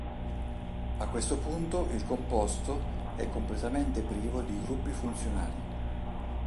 A questo punto il composto è completamente privo di gruppi funzionali.